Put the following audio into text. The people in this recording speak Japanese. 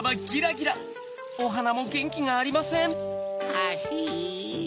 ハヒ。